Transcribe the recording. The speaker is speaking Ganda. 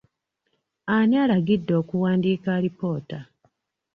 Ani alagidde okuwandiika alipoota?